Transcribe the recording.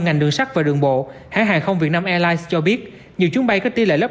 số tàu sát và đường bộ hãng hàng không việt nam airlines cho biết nhiều chuyến bay có tỷ lệ lấp